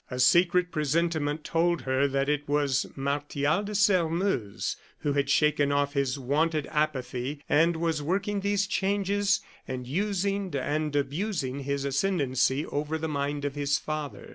A secret presentiment told her that it was Martial de Sairmeuse who had shaken off his wonted apathy, and was working these changes and using and abusing his ascendancy over the mind of his father.